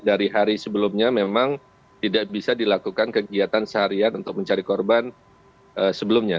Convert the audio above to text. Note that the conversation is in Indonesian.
jadi dari hari sebelumnya memang tidak bisa dilakukan kegiatan seharian untuk mencari korban sebelumnya